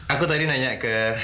aku tadi nanya ke